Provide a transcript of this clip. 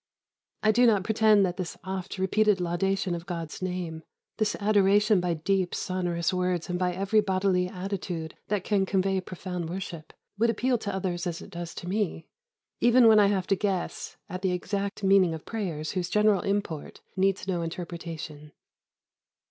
I do not pretend that this oft repeated laudation of God's name, this adoration by deep sonorous words and by every bodily attitude that can convey profound worship, would appeal to others as it does to me, even when I have to guess at the exact meaning of prayers whose general import needs no interpretation.